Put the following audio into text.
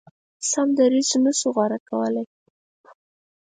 سم دریځ نه شو غوره کولای.